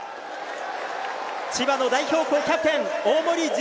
千葉の代表校キャプテン大森准